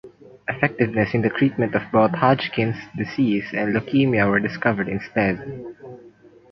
Effectiveness in the treatment of both Hodgkin's Disease and leukemia were discovered instead.